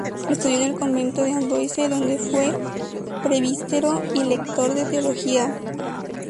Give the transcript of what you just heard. Estudió en el convento de Amboise, donde fue presbítero y lector de teología.